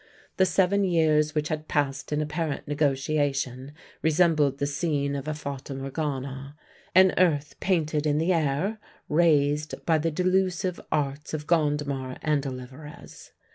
The seven years which had passed in apparent negotiation resembled the scene of a fata morgana, an earth painted in the air, raised by the delusive arts of Gondomar and Olivarez.